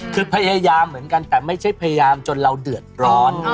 คือพยายามเหมือนกันแต่ไม่ใช่พยายามจนเราเดือดร้อน